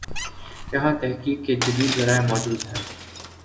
یہاںتحقیق کے جدید ذرائع موجود ہیں۔